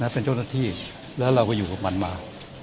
เป็นเจ้าหน้าที่แล้วเราก็อยู่กับมันมา